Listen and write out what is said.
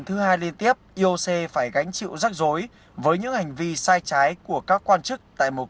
thứ hai liên tiếp ioc phải gánh chịu rắc rối với những hành vi sai trái của các quan chức tại một